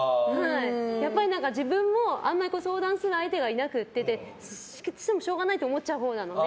やっぱり自分もあんまり相談する相手がいなくてしてもしょうがないと思っちゃうほうなので。